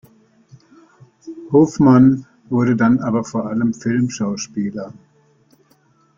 Hofmann wurde dann aber vor allem Filmschauspieler.